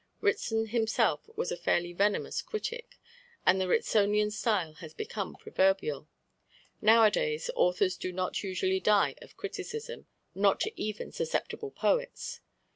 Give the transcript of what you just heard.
Ritson himself was a fairly venomous critic, and the "Ritsonian" style has become proverbial. Nowadays authors do not usually die of criticism, not even susceptible poets.